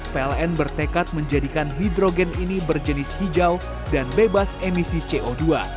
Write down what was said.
pln bertekad menjadikan hidrogen ini berjenis hijau dan bebas emisi co dua